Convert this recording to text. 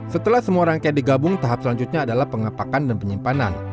setelah semua rangkaian digabung tahap selanjutnya adalah pengapakan dan penyimpanan